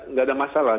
nggak ada masalah